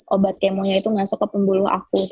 obat kemonya itu masuk ke pembuluh aku